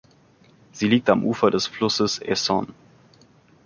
Sie liegt am Ufer des Flusses Essonne.